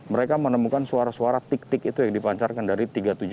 mereka menemukan suara suara tik tik itu yang dipancarkan dari tiga ratus tujuh puluh